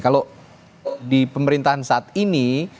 kalau di pemerintahan saat ini